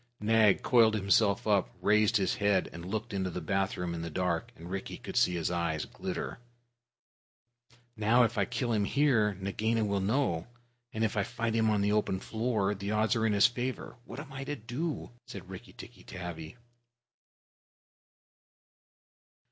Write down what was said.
Nag coiled himself up, raised his head, and looked into the bathroom in the dark, and Rikki could see his eyes glitter. "Now, if I kill him here, Nagaina will know; and if I fight him on the open floor, the odds are in his favor. What am I to do?" said Rikki tikki tavi.